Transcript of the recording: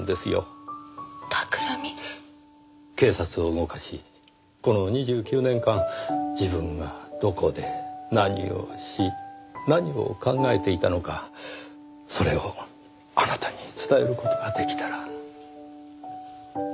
警察を動かしこの２９年間自分がどこで何をし何を考えていたのかそれをあなたに伝える事が出来たら。